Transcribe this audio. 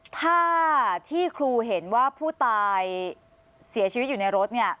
ถ้าที่ครูเห็นว่าผู้ตายเสียชีวิตอยู่ในรถเนี่ย